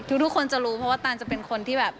ทุกคนจะรู้เพราะว่าตานจะเป็นคนที่แบบ